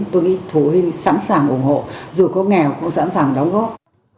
tôi nghĩ phụ huynh sẵn sàng ủng hộ dù có nghèo cũng sẵn sàng đóng góp